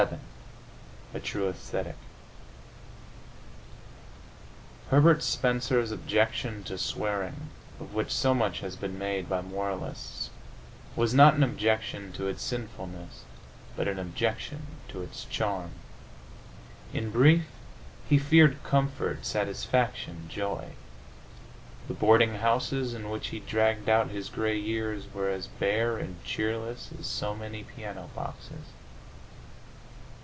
XI A TRUE ASCETIC Herbert Spencer's objection to swearing, of which so much has been made by moralists, was not an objection to its sinfulness but an objection to its charm. In brief, he feared comfort, satisfaction, joy. The boarding houses in which he dragged out his gray years were as bare and cheerless as so many piano boxes.